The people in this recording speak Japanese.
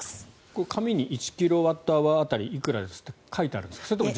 これ、紙に１キロワットアワー当たりいくらですって書いてあるんですか。